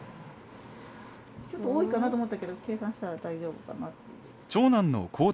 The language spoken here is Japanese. ちょっと多いかなと思ったけど計算したら大丈夫かなっていう。